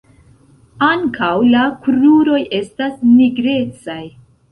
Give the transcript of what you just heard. Ankaŭ la kruroj estas nigrecaj.